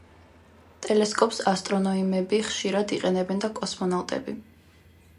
ტელესკოპს ასტრონეიმები ხშირად იყენებენ და კოსმონალტები